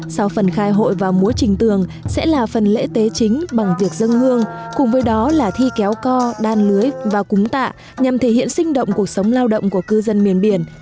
sau phần khai hội và múa trình tường sẽ là phần lễ tế chính bằng việc dân hương cùng với đó là thi kéo co đan lưới và cúng tạ nhằm thể hiện sinh động cuộc sống lao động của cư dân miền biển